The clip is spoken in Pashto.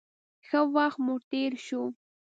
ښه وخت مو تېر شو.